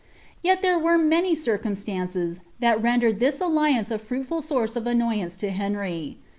Yet there were nany cireuinslunees that rendered this alliance a fruitful source of an ii'Tance to Henry.